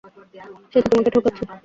সে তো তোমাকে ঠকাচ্ছে।